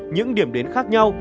những điểm đến khác nhau